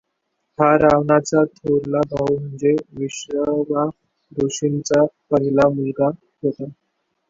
हा रावणाचा थोरला भाऊ म्हणजे विश्रवा ऋषींचा पहीला मुलगा होता.